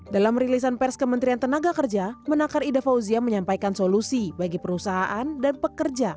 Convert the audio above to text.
dalam rilisan pers kementerian tenaga kerja menakar ida fauzia menyampaikan solusi bagi perusahaan dan pekerja